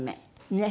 ねえ。